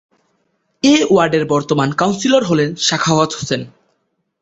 এ ওয়ার্ডের বর্তমান কাউন্সিলর হলেন সাখাওয়াত হোসেন।